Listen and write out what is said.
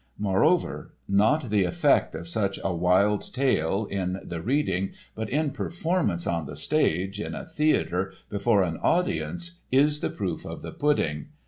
Moreover, not the effect of such a wild tale in the reading but in performance on the stage, in a theatre, before an audience is the proof of the pudding.